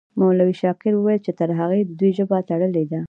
مولوي شاکر وویل چې ترهې د دوی ژبه تړلې ده.